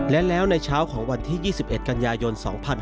และแล้วในเช้าของวันที่๒๑กันยายน๒๕๕๙